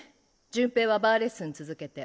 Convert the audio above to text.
潤平はバーレッスン続けて。